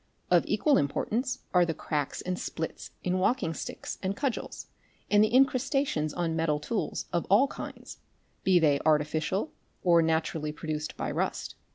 Of equal importance are the cracks and splits in walking sticks and cudgels, and the incrustations on metal tools of all kinds, be they artificial or naturally produced by rust.